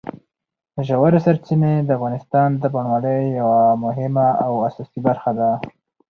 ژورې سرچینې د افغانستان د بڼوالۍ یوه مهمه او اساسي برخه ده.